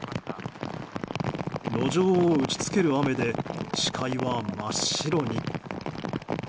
路上を打ち付ける雨で視界は真っ白に。